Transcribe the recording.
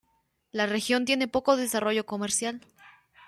La región tiene poco desarrollo comercial.